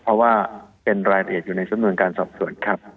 เพราะว่าเป็นรายละเอียดอยู่ในสำนวนการสอบสวนครับ